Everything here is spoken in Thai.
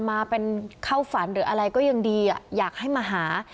มาเป็นเข้าฝันหรืออะไรก็ยังดีอยากให้มาหา